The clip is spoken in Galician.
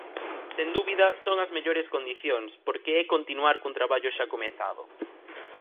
Sen dúbida, son as mellores condicións porque é continuar cun traballo xa comezado.